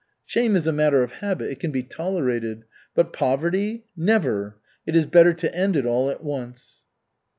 Shame is a matter of habit, it can be tolerated, but poverty never! It is better to end it all at once.